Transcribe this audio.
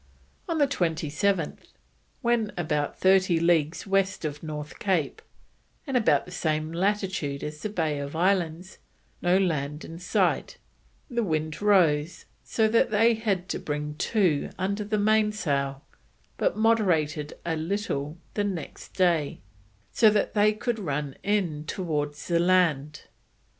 On the 27th, when about thirty leagues west of North Cape, and about the same latitude as the Bay of Islands, no land in sight, the wind rose so that they had to bring to, under the mainsail, but moderated a little the next day so that they could run in towards the land.